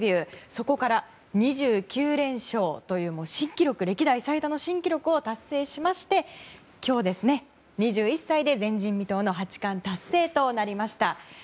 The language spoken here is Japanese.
そこから２９連勝という歴代最多の新記録を達成しまして今日、２１歳で前人未到の八冠達成となりました。